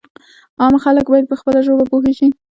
عام خلک باید په خپله ژبه پوه شي.